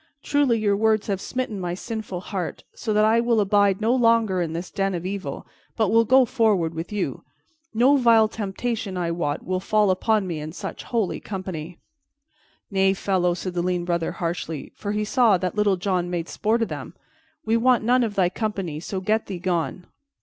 Truly, your words have smitten my sinful heart, so that I will abide no longer in this den of evil, but will go forward with you. No vile temptation, I wot, will fall upon me in such holy company." "Nay, fellow," said the lean Brother harshly, for he saw that Little John made sport of them, "we want none of thy company, so get thee gone."